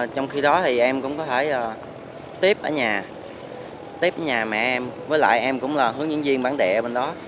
trong khi đó thì em cũng có thể tiếp ở nhà tiếp nhà mẹ em với lại em cũng là hướng dẫn viên bản địa bên đó